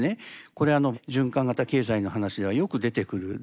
これ循環型経済の話ではよく出てくる図です。